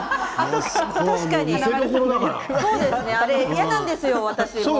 笑い声嫌なんですよ、私。